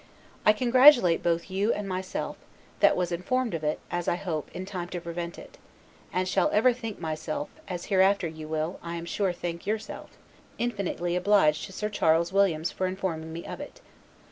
I congratulate both you and myself, that, was informed of it (as I hope) in time to prevent it: and shall ever think myself, as hereafter you will, I am sure think yourself, infinitely obliged to Sir Charles Williams for informing me of it.